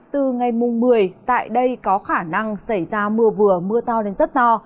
từ ngày mùng một mươi tại đây có khả năng xảy ra mưa vừa mưa to lên rất to